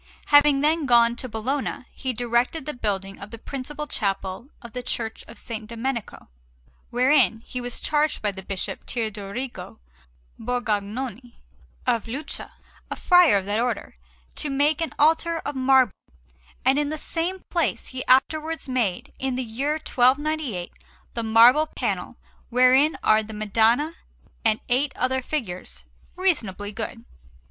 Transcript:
Having then gone to Bologna, he directed the building of the principal chapel of the Church of S. Domenico, wherein he was charged by Bishop Teodorigo Borgognoni of Lucca, a friar of that Order, to make an altar of marble; and in the same place he afterwards made, in the year 1298, the marble panel wherein are the Madonna and eight other figures, reasonably good.